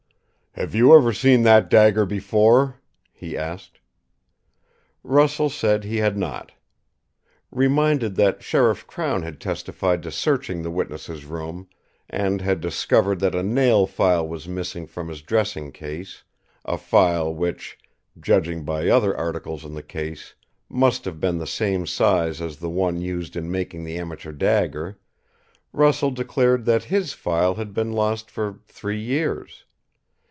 "Have you ever seen that dagger before?" he asked. Russell said he had not. Reminded that Sheriff Crown had testified to searching the witness's room and had discovered that a nail file was missing from his dressing case, a file which, judging by other articles in the case, must have been the same size as the one used in making the amateur dagger, Russell declared that his file had been lost for three years.